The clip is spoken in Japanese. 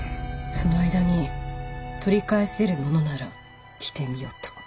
その間に取り返せるものなら来てみよと。